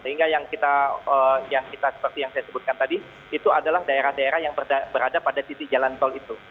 sehingga yang saya sebutkan tadi itu adalah daerah daerah yang berada pada titik jalan tol itu